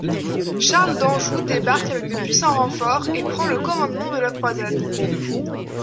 Charles d'Anjou débarque avec de puissants renforts et prend le commandement de la croisade.